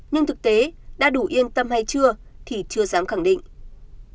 nhưng thực tế đã đủ yên tâm hay chưa thì chưa dám khẳng định